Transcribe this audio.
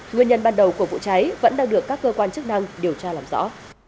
nguyên nhân ban đầu của vụ cháy vẫn đang được các cơ quan chức năng điều tra làm rõ